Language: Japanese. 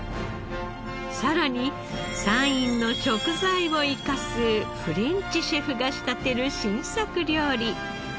さらに山陰の食材を生かすフレンチシェフが仕立てる新作料理。